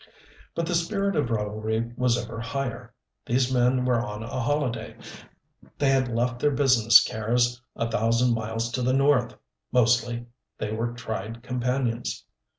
But the spirit of revelry was ever higher. These men were on a holiday, they had left their business cares a thousand miles to the north, mostly they were tried companions.